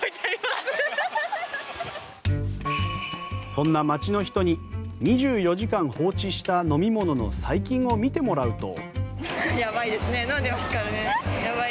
そんな街の人に２４時間放置した飲み物の細菌を見てもらうと。